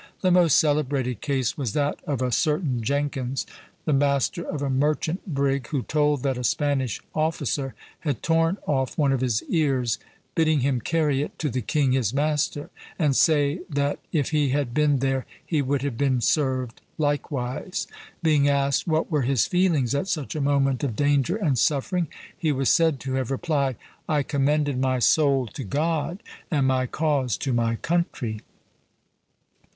The most celebrated case was that of a certain Jenkins, the master of a merchant brig, who told that a Spanish officer had torn off one of his ears, bidding him carry it to the king his master, and say that if he had been there he would have been served likewise. Being asked what were his feelings at such a moment of danger and suffering, he was said to have replied, "I commended my soul to God and my cause to my country."